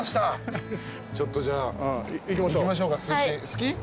ちょっとじゃあ行きましょうか。